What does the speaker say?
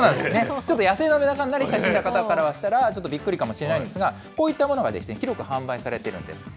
ちょっと野生のメダカに慣れ親しんだ人からすると、ちょっとびっくりかもしれないですが、こういったものが広く販売されているんです。